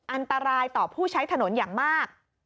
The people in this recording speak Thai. อันตรายต่อผู้ใช้ถนนอย่างมาก